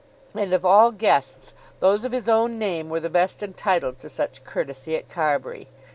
And of all guests those of his own name were the best entitled to such courtesy at Carbury.